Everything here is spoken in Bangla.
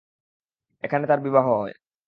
এখানে তার বিবাহ হয়।